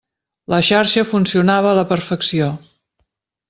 La xarxa funcionava a la perfecció.